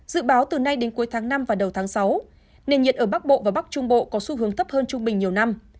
dự báo từ nay đến cuối tháng năm và đầu tháng sáu nền nhiệt ở bắc bộ và bắc trung bộ có xu hướng thấp hơn trung bình nhiều năm